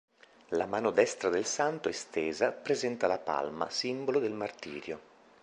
La mano destra del santo, estesa, presenta la palma simbolo del martirio.